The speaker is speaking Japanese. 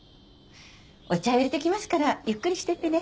お茶を入れてきますからゆっくりしてってね。